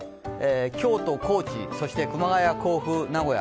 京都、高知、そして熊谷、甲府、名古屋。